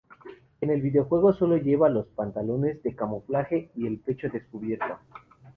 En el videojuego sólo lleva los pantalones de camuflaje, y el pecho descubierto.